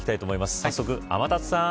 早速、天達さん。